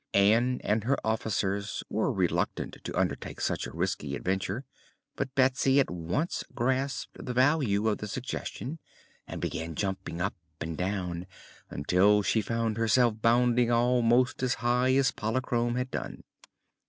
Ann and her officers were reluctant to undertake such a risky adventure, but Betsy at once grasped the value of the suggestion and began jumping up and down until she found herself bounding almost as high as Polychrome had done.